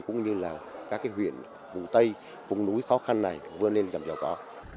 cũng như là các cái huyện vùng tây vùng núi khó khăn này vươn lên làm cho có